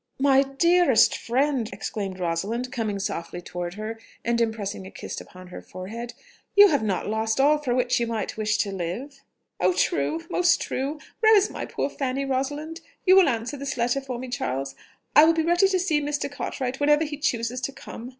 "My dearest friend!" exclaimed Rosalind, coming softly towards her and impressing a kiss upon her forehead, "you have not lost all for which you might wish to live." "Oh, true ... most true!... Where is my poor Fanny, Rosalind? You will answer this letter for me, Charles?... I will be ready to see Mr. Cartwright whenever he chooses to come....